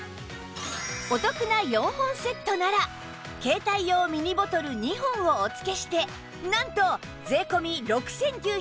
お得な４本セットなら携帯用ミニボトル２本をお付けしてなんと税込６９８０円